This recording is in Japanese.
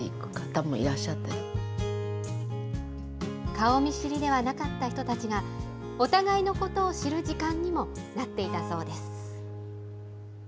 顔見知りではなかった人たちが、お互いのことを知る時間にもなっていたそうです。